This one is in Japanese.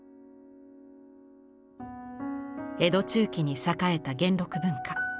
江戸中期に栄えた元禄文化。